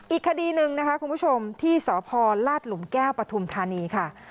อีกคดีหนึ่งนะคะคุณผู้ชมที่สพลาดหลุมแก้วปฐุมธานีค่ะ